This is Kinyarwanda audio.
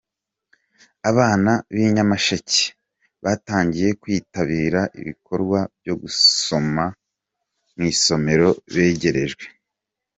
Abana b’i Nyamasheke batangiye kwitabira ibikorwa byo gusoma mu Isomero begerejwe.